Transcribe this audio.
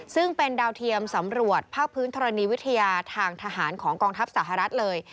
ซึ่งเป็นดาวเทียมสำรวจภาคพื้นธรณีวิทยาทางทหารของกองทัพสหรัฐเลย